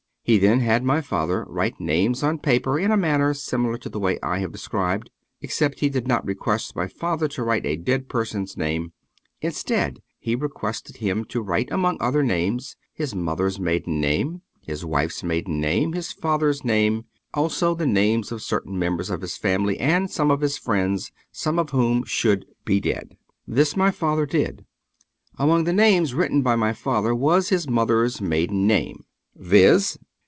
He then had my father write names on paper in a manner similar to the way I have described, except he did not request my father to write a dead person's name; instead, he requested him to write, among other names, his mother's maiden name, his wife's maiden name, his father's name, also the names of certain members of his family and of some of his friends, some of whom should be dead. This my father did. Among the names written by my father was his mother's maiden name, viz.